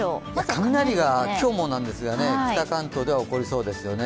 雷が今日もなんですが北関東では起こりそうですよね。